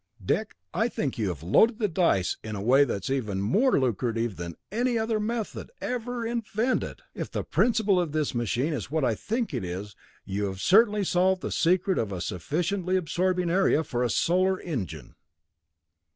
"Dick, I think you have 'loaded the dice' in a way that is even more lucrative than any other method ever invented! If the principle of this machine is what I think it is, you have certainly solved the secret of a sufficiently absorbing area for a solar engine."